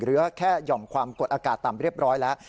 เหลือแค่หย่อมความกดอากาศต่ำเรียบร้อยแล้ว